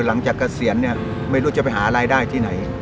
เกษียณเนี่ยไม่รู้จะไปหารายได้ที่ไหน